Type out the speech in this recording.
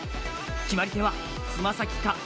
決まり手はつま先か